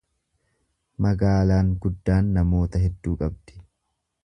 Magaalaan guddaan namoota hedduu qabdi.